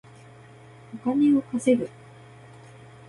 お金を稼ぐ